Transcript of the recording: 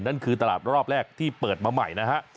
นั่นคือตลาดรอบแรกที่เปิดมาใหม่นะฮะ